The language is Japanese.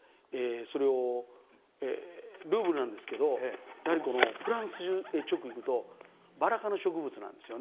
それをルーブルなんですけどやはりフランスへ直行くとバラ科の植物なんですよね桜って。